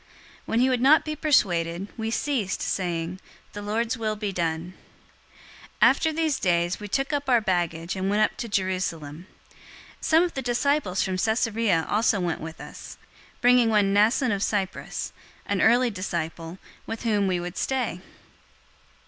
021:014 When he would not be persuaded, we ceased, saying, "The Lord's will be done." 021:015 After these days we took up our baggage and went up to Jerusalem. 021:016 Some of the disciples from Caesarea also went with us, bringing one Mnason of Cyprus, an early disciple, with whom we would stay.